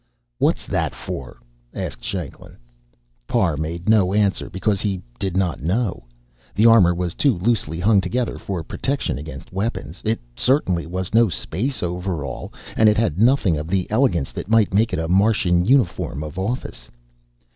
"What's that for?" asked Shanklin. Parr made no answer, because he did not know. The armor was too loosely hung together for protection against weapons. It certainly was no space overall. And it had nothing of the elegance that might make it a Martian uniform of office.